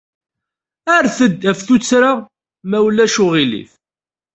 Rret-d ɣef tuttra, ma ulac aɣilif.